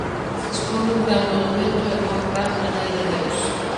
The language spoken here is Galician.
Dispón dun gran monumento en honra á Nai de Deus.